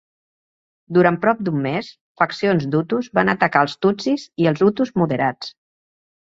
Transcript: Durant prop d'un mes, faccions d'hutus van atacar els tutsis i els hutus moderats.